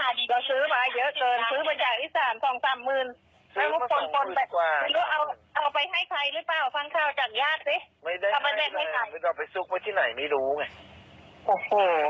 ละเอาไปให้ใครหรือเปล่าฟังเคล้าจากญาติสิไม่ได้มาไปสุกมาที่ไหนไม่รู้ไงโอ้โอ้